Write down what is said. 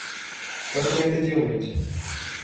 Как это вы делаете?